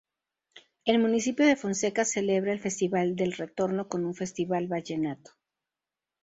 El municipio de Fonseca celebra el Festival del Retorno con un festival vallenato.